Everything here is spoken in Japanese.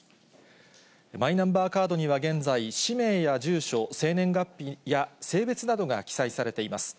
マイナンバーカードには現在氏名や住所、生年月日や性別などが記載されています。